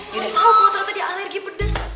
gue gak tau gue ternyata dia alergi pedes